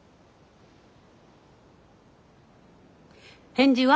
返事は？